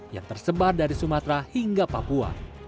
yang tersebar dari sumatera hingga papua